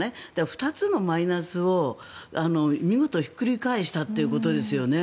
２つのマイナスを見事ひっくり返したということですよね。